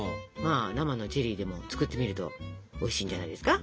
生のチェリーでも作ってみるとおいしいんじゃないですか？